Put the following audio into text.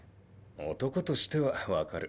男としては分かる。